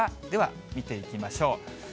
では、見ていきましょう。